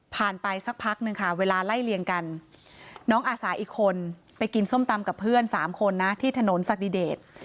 ไปสักพักนึงค่ะเวลาไล่เลี่ยงกันน้องอาสาอีกคนไปกินส้มตำกับเพื่อน๓คนนะที่ถนนศักดิเดต